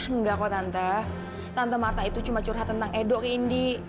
enggak kok tante tante itu cuma curhat tentang edo ke indi